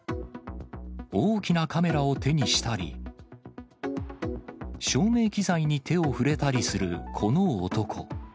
大きなカメラを手にしたり、照明機材に手を触れたりする、この男。